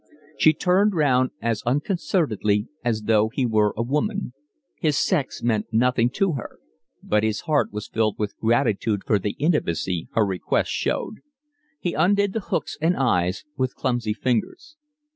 She turned round as unconcernedly as though he were a woman. His sex meant nothing to her. But his heart was filled with gratitude for the intimacy her request showed. He undid the hooks and eyes with clumsy fingers.